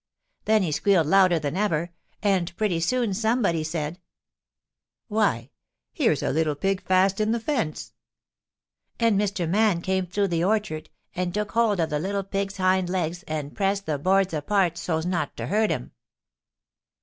Then he squealed louder than ever, and pretty soon somebody said: "Why, here's a little pig fast in the fence!" And Mr. Man came through the orchard and took hold of the little pig's hind legs and pressed the boards apart so's not to hurt him.